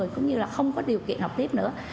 cũng như là không có điều kiện học tiếp nữa